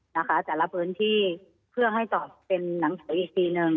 นะคะแต่ละพื้นที่เพื่อให้ตอบเป็นหนังสืออีกทีหนึ่ง